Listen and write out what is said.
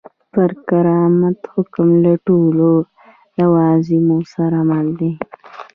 پر کرامت حکم له ټولو لوازمو سره مل دی.